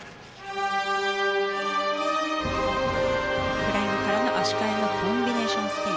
フライングからの足換えのコンビネーションスピン。